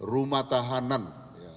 rumah tahanan seperti biasa